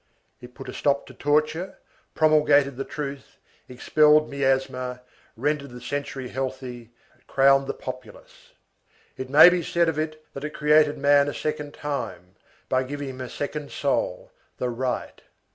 It put a stop to torture, promulgated the truth, expelled miasma, rendered the century healthy, crowned the populace. It may be said of it that it created man a second time, by giving him a second soul, the right.